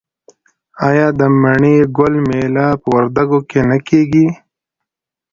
آیا د مڼې ګل میله په وردګو کې نه کیږي؟